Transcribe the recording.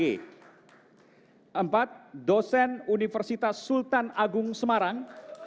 empat dosen universitas sultan agung semarang